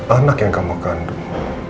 anak yang kamu kandung